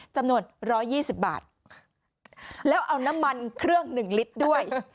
จำนวน๑๒๐บาทแล้วเอาน้ำมันเครื่องหนึ่งลิตรด้วย